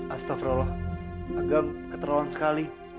astagfirullah agam keterolong sekali